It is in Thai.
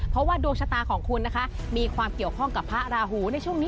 เพราะว่าดวงชะตาของคุณนะคะมีความเกี่ยวข้องกับพระราหูในช่วงนี้